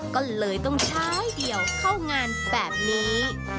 ก็เลยต้องใช้เดี่ยวเข้างานแบบนี้